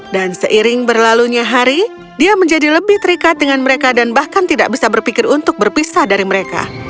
dan seiring berlalunya hari dia menjadi lebih terikat dengan mereka dan bahkan tidak bisa berpikir untuk berpisah dari mereka